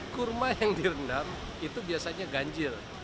kurma yang direndam itu biasanya ganjil